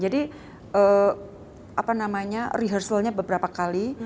jadi apa namanya rehearsal nya beberapa kali